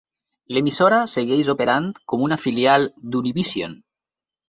L'emissora segueix operant com una filial d'Univision.